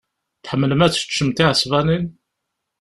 Tḥemmlem ad teččem tiɛesbanin.